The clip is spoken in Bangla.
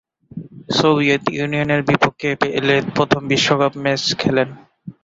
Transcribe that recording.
সোভিয়েত ইউনিয়নের বিপক্ষে পেলে তার প্রথম বিশ্বকাপ ম্যাচ খেলেন।